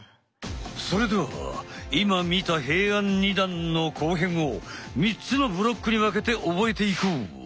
それでは今見た平安二段の後編を３つのブロックに分けて覚えていこう！